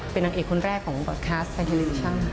เป็นตัวเอกคนแรกของคลาสไทยเทอรี่ช่าง